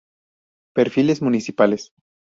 Perfiles Municipales.